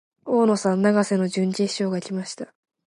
大野さん、永瀬の準決勝が来ました。